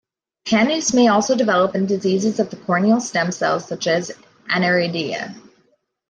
Pannus may also develop in diseases of the corneal stem cells, such as aniridia.